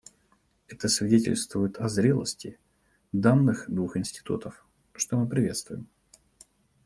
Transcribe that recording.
Это свидетельствует о зрелости данных двух институтов, что мы приветствуем.